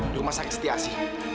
di rumah sakit setia sih